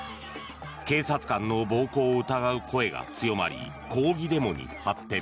警察官の暴行を疑う声が強まり抗議デモに発展。